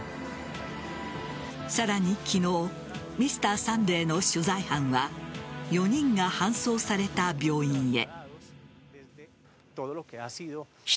さらに昨日「Ｍｒ．サンデー」の取材班は４人が搬送された病院へ。